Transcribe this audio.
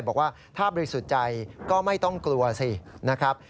บอกว่าถ้าบริสุทธิ์ใจก็ไม่ต้องกลัวสินะครับ